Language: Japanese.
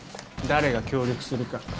誰が協力するか。